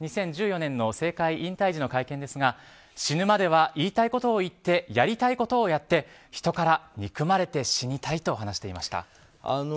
２０１４年の政界引退時の会見ですが死ぬまでは言いたいことを言ってやりたいことをやって人から憎まれて死にたいと話していました。